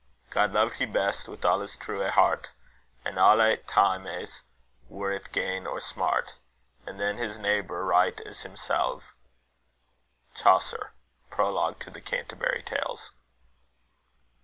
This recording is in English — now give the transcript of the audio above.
God loved he best with all his trewe heart, At alle times, were it gain or smart, And then his neighebour right as himselve. CHAUCER. Prologue to the Canterbury Tales.